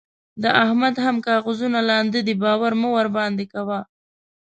د احمد هم کاغذونه لانده دي؛ باور مه ورباندې کوه.